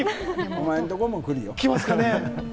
おまえのところも来るよ。